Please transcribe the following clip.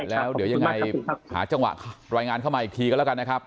แล้วเดี๋ยวยังไงหาจังหวะรายงานเข้ามาอีกทีก็แล้วกันนะครับ